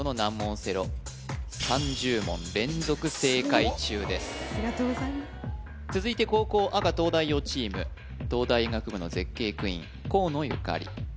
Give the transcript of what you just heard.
オセロありがとうございます続いて後攻赤東大王チーム東大医学部の絶景クイーン河野ゆかり